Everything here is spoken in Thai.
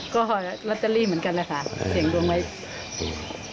ก็หอยลอตเตอรี่เหมือนกันนะคะเสียงดวงไว้